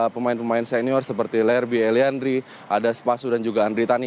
pemain senior seperti lerby eliandri adas pasu dan juga andri tani